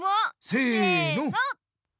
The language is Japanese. せの！